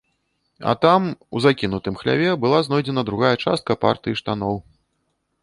А там, у закінутым хляве, была знойдзена другая частка партыі штаноў.